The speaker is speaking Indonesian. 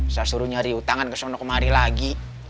saya suruh nyari utangan ke sana kemari lagi